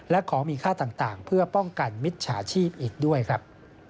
และของมีค่าต่างเพื่อป้องกันมิจฉาชีพอีกด้วยครับ